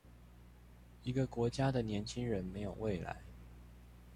一個國家的年輕人沒有未來